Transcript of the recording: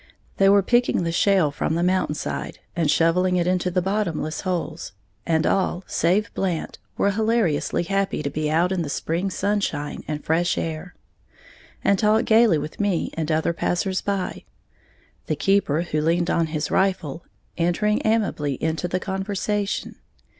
They were picking the shale from the mountain side, and shovelling it into the bottomless holes, and all, save Blant, were hilariously happy to be out in the spring sunshine and fresh air, and talked gaily with me and other passers by, the keeper, who leaned on his rifle, entering amiably into the conversation.